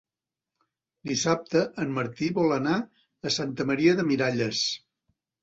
Dissabte en Martí vol anar a Santa Maria de Miralles.